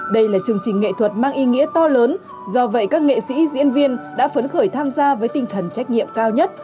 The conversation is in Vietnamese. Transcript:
đây là chương trình nghệ thuật mang ý nghĩa to lớn do vậy các nghệ sĩ diễn viên đã phấn khởi tham gia với tinh thần trách nhiệm cao nhất